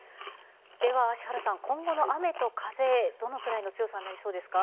では、芦原さん今後の雨と風どのくらいの強さになりそうですか？